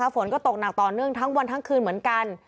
ฝนก็ตกหนักต่อเนื่องทั้งวันทั้งคืนเหมือนกัน